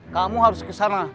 kamu harus kesana